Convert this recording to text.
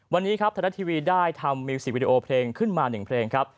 วันนี้ครับไทยรัฐทีวีได้ทำมิวสิกวิดีโอเพลงขึ้นมา๑เพลงครับ